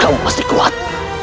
kamu pasti kuat